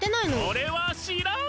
それはしらん！